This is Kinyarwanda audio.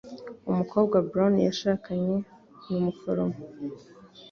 Umukobwa Brown yashakanye ni umuforomo.